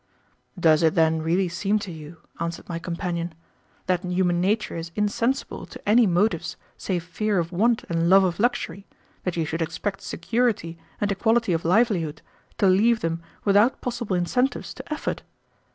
"Does it then really seem to you," answered my companion, "that human nature is insensible to any motives save fear of want and love of luxury, that you should expect security and equality of livelihood to leave them without possible incentives to effort?